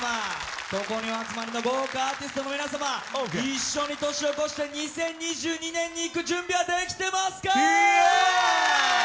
ここにお集まりの豪華アーティストの皆様一緒に年を越して２０２２年に行く準備はできてますかイエー！